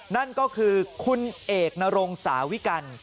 นั่นก็คือคุณเอกนรงสาวิกัล